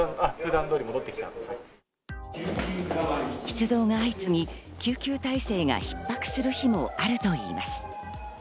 出動が相次ぎ、救急体制がひっ迫する日もあるといいます。